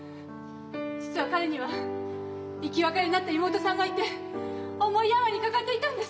実は彼には生き別れになった妹さんがいて重い病にかかっていたんです。